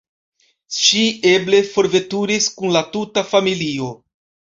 Ŝi eble forveturis kun la tuta familio.